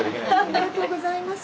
ありがとうございます。